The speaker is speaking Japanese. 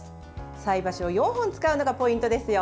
菜箸を４本使うのがポイントですよ。